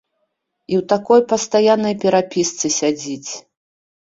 І ў такой пастаяннай перапісцы сядзяць.